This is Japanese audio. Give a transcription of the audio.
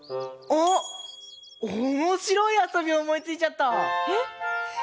おもしろいあそびおもいついちゃった！え？